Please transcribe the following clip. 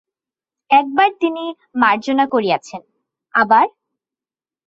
একবার তিনি মার্জনা করিয়াছেন, আবার–।